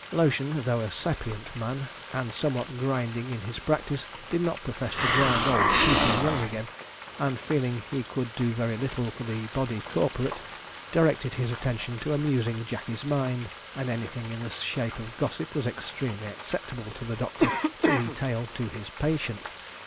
Lotion, though a sapient man, and somewhat grinding in his practice, did not profess to grind old people young again, and feeling he could do very little for the body corporate, directed his attention to amusing Jackey's mind, and anything in the shape of gossip was extremely acceptable to the doctor to retail to his patient.